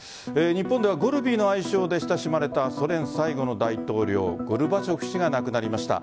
日本ではゴルビーの愛称で親しまれたソ連最後の大統領ゴルバチョフ氏が亡くなりました。